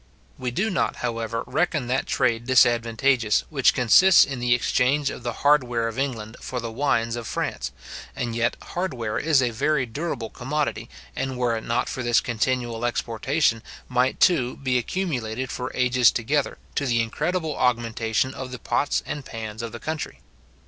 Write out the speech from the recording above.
We do not, however, reckon that trade disadvantageous, which consists in the exchange of the hardware of England for the wines of France, and yet hardware is a very durable commodity, and were it not for this continual exportation, might too be accumulated for ages together, to the incredible augmentation of the pots and pans of the country.